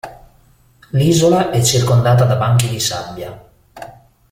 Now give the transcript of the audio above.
L'isola è circondata da banchi di sabbia.